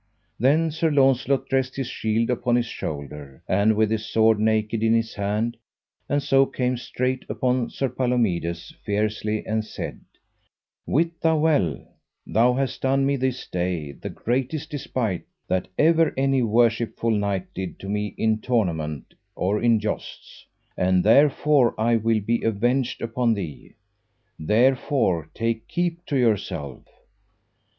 Then Sir Launcelot dressed his shield upon his shoulder, and with his sword naked in his hand, and so came straight upon Sir Palomides fiercely and said: Wit thou well thou hast done me this day the greatest despite that ever any worshipful knight did to me in tournament or in jousts, and therefore I will be avenged upon thee, therefore take keep to yourself.